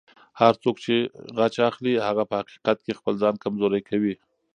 هر څوک چې غچ اخلي، هغه په حقیقت کې خپل ځان کمزوری کوي.